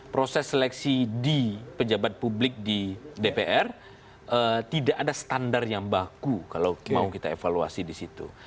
proses seleksi di pejabat publik di dpr tidak ada standar yang baku kalau mau kita evaluasi di situ